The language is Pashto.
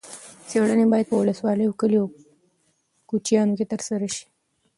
څېړنې باید په ولسوالیو، کلیو او کوچیانو کې ترسره شي.